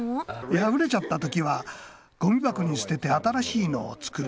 破れちゃった時はゴミ箱に捨てて新しいのを作る。